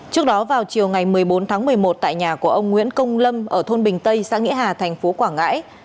trước đó vào chiều ngày một mươi bốn tháng một mươi một tại nhà của ông nguyễn công lâm ở thôn bình tây xã nghĩa hà thành phố quảng ngãi